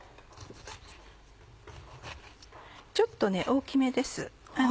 ちょっとね大きめです。